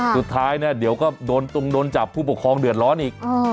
สุดท้ายเนี่ยเดี๋ยวก็โดนตรงโดนจับผู้ปกครองเดือดร้อนอีก